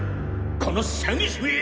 この詐欺師め！